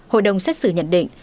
hội đồng xét xử nhận định